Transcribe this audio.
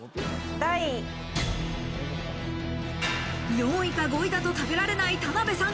４位か５位だと食べられない田辺さん。